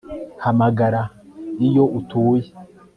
Hamagara iyo utuye